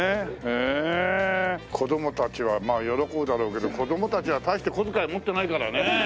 ええ子供たちはまあ喜ぶだろうけど子供たちは大して小遣い持ってないからね。